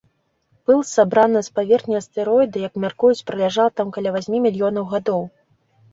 Пыл, сабраная з паверхні астэроіда, як мяркуюць, праляжала там каля васьмі мільёнаў гадоў.